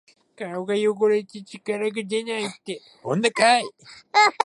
顔が汚れて力がでないって、女かい！